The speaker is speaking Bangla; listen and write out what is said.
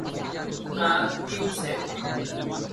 তার তিন ছেলে।